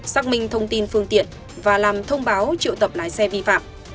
xác minh thông tin phương tiện và làm thông báo triệu tập lái xe vi phạm